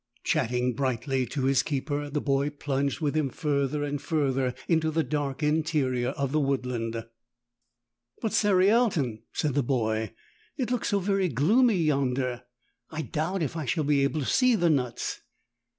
Chatting brightly to his keeper the boy plunged with him further and further into the dark interior of the wood land. ''But, Cerialton," said the boy, "it looks so very gloomy yonder. I doubt if I shall be able to see the nuts."